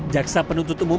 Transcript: jaksa penuntut umum